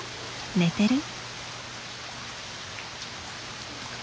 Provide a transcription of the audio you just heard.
寝てる？